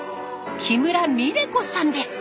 木村美音子さんです。